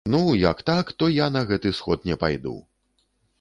Ну, як так, то я на гэты сход не пайду!